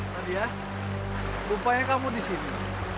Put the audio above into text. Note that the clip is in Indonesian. nadia lupanya kamu di sini